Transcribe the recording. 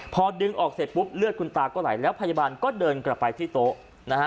พอดึงออกเสร็จปุ๊บเลือดคุณตาก็ไหลแล้วพยาบาลก็เดินกลับไปที่โต๊ะนะฮะ